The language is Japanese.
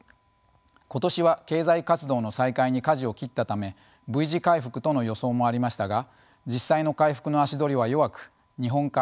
今年は経済活動の再開に舵を切ったためＶ字回復との予想もありましたが実際の回復の足取りは弱く「日本化」